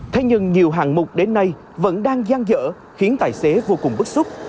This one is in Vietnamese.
thế nhưng nhiều hạng mục đến nay vẫn đang giang dở khiến tài xế vô cùng bức xúc